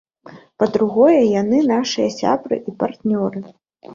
Па-другое, яны нашыя сябры і партнёры.